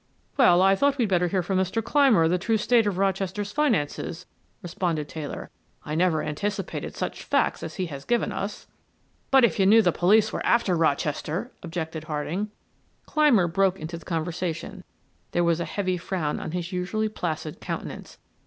"Well, I thought we'd better hear from Mr. Clymer the true state of Rochester's finances," responded Taylor. "I never anticipated such facts as he has given us." "But if you knew the police were after Rochester " objected Harding. Clymer broke into the conversation; there was a heavy frown on his usually placid countenance.